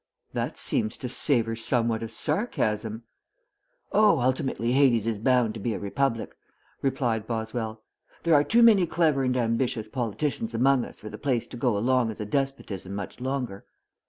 "That seems to savor somewhat of sarcasm." "Oh, ultimately Hades is bound to be a republic," replied Boswell. "There are too many clever and ambitious politicians among us for the place to go along as a despotism much longer.